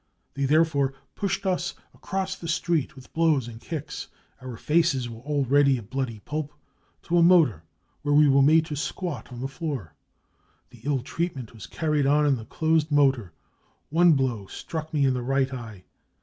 They therefore pushed us across the street, with blows and lucks — our faces were already a bloody pulp — to a motor. We were made to squat on the floor. " The ill treatment was carried on in the closed motor ; one blow struck me in the right eye.